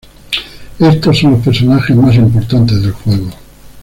Estos son los personajes más importantes del juego.